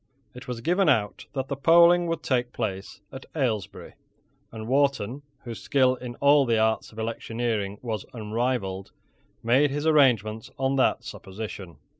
It was given out that the polling would take place at Ailesbury; and Wharton, whose skill in all the arts of electioneering was unrivalled, made his arrangements on that supposition.